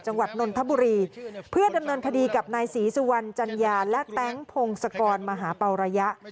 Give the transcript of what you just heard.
นนทบุรีเพื่อดำเนินคดีกับนายศรีสุวรรณจัญญาและแต๊งพงศกรมหาเป่าระยะ